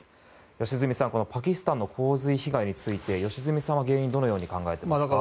良純さんパキスタンの洪水被害について良純さんは原因をどのように考えますか？